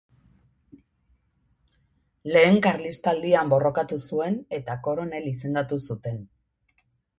Lehen Karlistaldian borrokatu zuen eta koronel izendatu zuten.